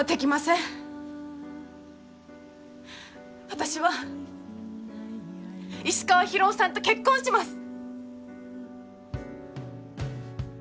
私は石川博夫さんと結婚します。